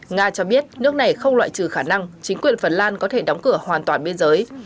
nga cho biết nước này không loại trừ khả năng chính quyền phần lan có thể đóng cửa hoàn toàn biên giới